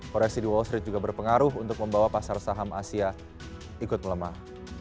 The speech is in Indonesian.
koreksi di wall street juga berpengaruh untuk membawa pasar saham asia ikut melemah